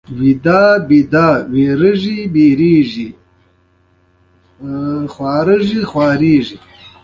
یوټوبر دې د خلکو کیسې مهرباني نه بولي.